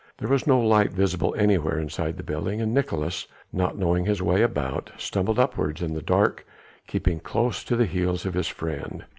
There was no light visible anywhere inside the building, and Nicolaes, not knowing his way about, stumbled upwards in the dark keeping close to the heels of his friend.